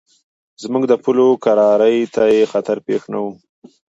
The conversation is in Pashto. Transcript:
زموږ د پولو کرارۍ ته یې خطر پېښ نه کړ.